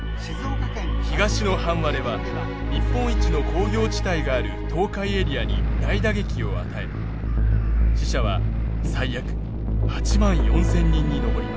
東の半割れは日本一の工業地帯がある東海エリアに大打撃を与え死者は最悪８万４，０００人に上ります。